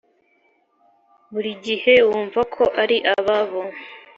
buri gihe wumva ko ari ababo?